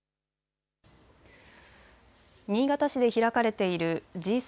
新潟市で開かれているＧ７